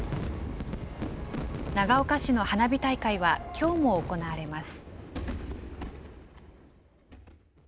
長岡市の花火大会はきょうも行われます。